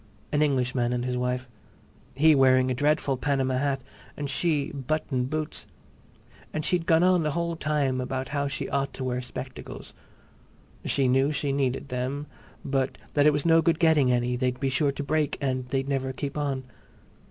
An Englishman and his wife, he wearing a dreadful Panama hat and she button boots. And she'd gone on the whole time about how she ought to wear spectacles; she knew she needed them; but that it was no good getting any; they'd be sure to break and they'd never keep on.